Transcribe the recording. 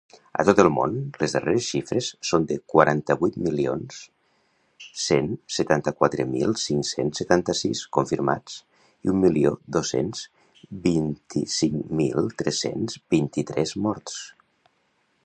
A tot el món, les darreres xifres són de quaranta-vuit milions cent setanta-quatre mil cinc-cents setanta-sis confirmats i un milió dos-cents vint-i-cinc mil tres-cents vint-i-tres morts.